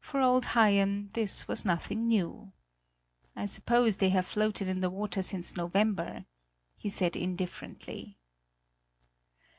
For old Haien this was nothing new. "I suppose they have floated in the water since November!" he said indifferently.